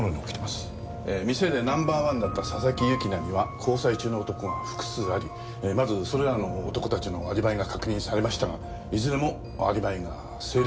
店でナンバーワンだった佐々木由紀奈には交際中の男が複数ありまずそれらの男たちのアリバイが確認されましたがいずれもアリバイが成立。